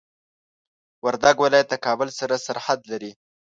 وردګ ولايت د کابل سره سرحد لري.